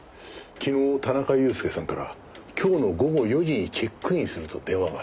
昨日田中裕介さんから今日の午後４時にチェックインすると電話があった。